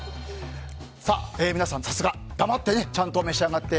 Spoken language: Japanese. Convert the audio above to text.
皆さん、さすが黙ってちゃんと召し上がって。